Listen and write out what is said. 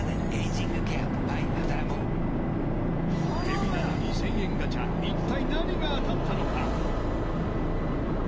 海老名の２０００円ガチャ一体何が当たったのか？